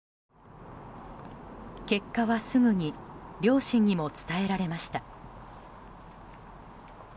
結果はすぐに両親にも伝えられました。